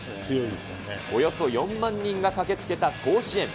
およそ４万人が駆けつけた甲子園。